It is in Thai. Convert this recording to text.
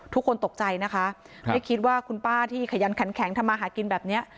ทุกคนตกใจนะคะไม่คิดว่าคุณป้าที่ขยันขันแข็งทำมาหากินแบบเนี้ย